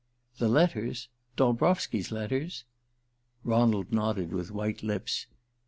"The letters? Dolbrowski's letters?" Ronald nodded with white lips.